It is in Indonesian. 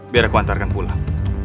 biar aku hantarkan pulang